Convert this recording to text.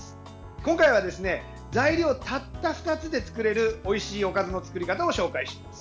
今回は材料たった２つで作れるおいしいおかずの作り方を紹介します。